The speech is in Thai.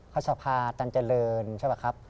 สภาตันเจริญใช่ป่ะครับ